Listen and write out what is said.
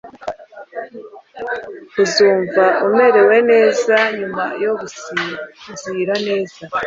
Uzumva umerewe neza nyuma yo gusinzira neza